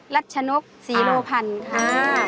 รัชนกศรีโลพันธ์ค่ะ